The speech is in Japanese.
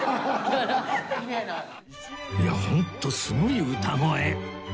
いやホントすごい歌声！